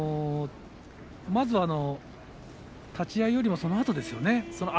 まず立ち合いよりもそのあとですね。